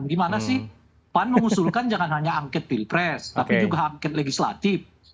gimana sih pan mengusulkan jangan hanya angket pilpres tapi juga angket legislatif